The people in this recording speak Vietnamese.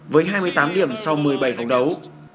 với hai mươi tám điểm sau một mươi bảy vòng đấu